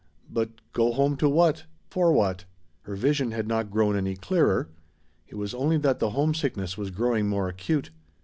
But go home to what? For what? Her vision had not grown any clearer. It was only that the "homesickness" was growing more acute.